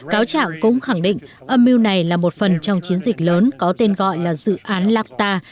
cáo trạng cũng khẳng định âm mưu này là một phần trong chiến dịch lớn có tên gọi là dự án lafta